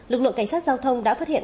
lực lượng cảnh sát giao thông đã phát hiện